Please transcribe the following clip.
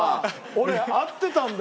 俺合ってたんだ。